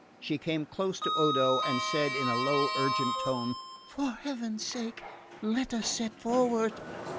She came close to Odo and said in a low urgent tone: "For heaven's sake, let us set forward!"